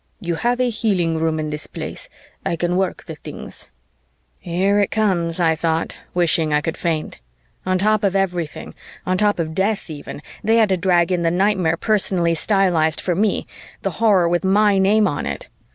You have a healing room in this place. I can work the things." "Here it comes," I thought, wishing I could faint. On top of everything, on top of death even, they had to drag in the nightmare personally stylized for me, the horror with my name on it.